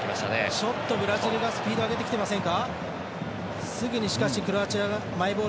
ちょっとブラジルがスピードを上げてきてませんか。